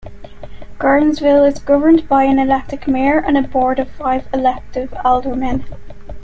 Gordonsville is governed by an elected mayor and a board of five elected aldermen.